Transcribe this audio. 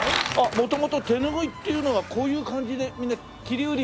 元々手ぬぐいっていうのはこういう感じでみんな切り売り？